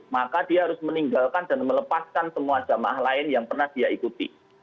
maka dia harus meninggalkan dan melepaskan semua jamaah lain yang pernah dia ikuti